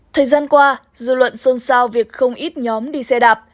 thời gian qua dư luận xôn xao việc không ít nhóm đi xe đạp